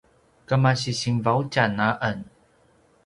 kemasi Sinvaudjan a en